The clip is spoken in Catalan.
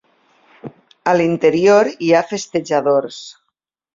A l'interior hi ha festejadors.